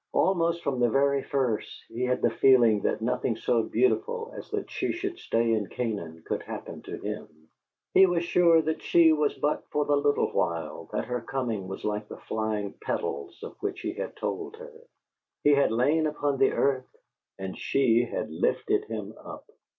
Almost from the very first, he had the feeling that nothing so beautiful as that she should stay in Canaan could happen to him. He was sure that she was but for the little while, that her coming was like the flying petals of which he had told her. He had lain upon the earth; and she had lifted him up.